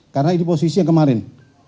karena ini posisi yang kemarin